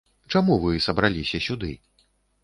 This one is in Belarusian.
Чаму вы сабраліся сюды?